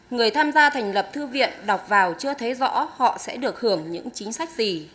người tham gia thành lập thư viện đọc vào chưa thấy rõ họ sẽ được hưởng những chính sách gì